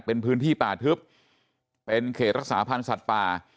เป็นพื้นที่ป่าทึบเป็นเขตรักษาพันธ์สัตว์ป่า